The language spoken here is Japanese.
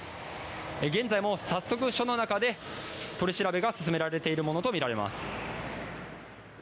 現在も早速署の中で取り調べが進められているものとみられています。